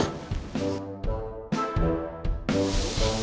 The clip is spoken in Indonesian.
ya takut sama api